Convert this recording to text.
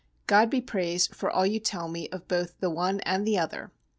God be praised for all you tell me of both the one and the other.